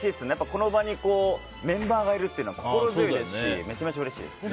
この場にメンバーがいるってのは心強いですしめちゃめちゃうれしいです。